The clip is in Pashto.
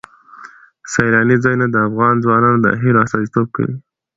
سیلانی ځایونه د افغان ځوانانو د هیلو استازیتوب کوي.